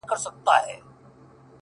ورور مي دی هغه دی ما خپله وژني”